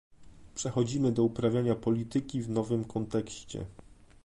Przechodzimy do uprawiania polityki w nowym kontekście